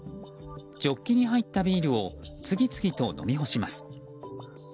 ジョッキに入ったビールを次々と飲み干します。